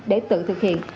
để tự thực hiện